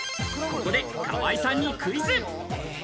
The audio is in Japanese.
ここで、河井さんにクイズ。